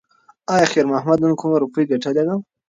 ایا خیر محمد نن کومه روپۍ ګټلې ده؟